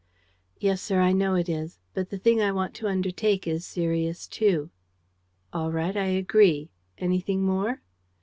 "Yes, sir, I know it is. But the thing I want to undertake is serious too." "All right, I agree. Anything more?"